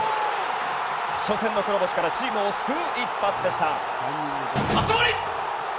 初戦の黒星からチームを救う一発でした。